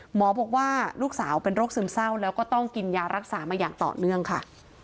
หมอบอกว่าลูกสาวเป็นโรคซึมเศร้าแล้วก็ต้องกินยารักษามาอย่างต่อเนื่องค่ะ